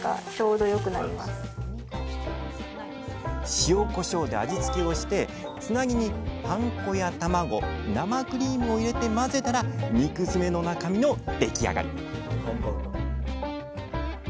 塩・こしょうで味付けをしてつなぎにパン粉や卵生クリームを入れて混ぜたら肉づめの中身の出来上がり！